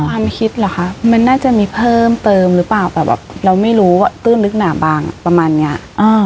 ความคิดเหรอคะมันน่าจะมีเพิ่มเติมหรือเปล่าแต่แบบเราไม่รู้ว่าตื้นลึกหนาบางประมาณเนี้ยอ่า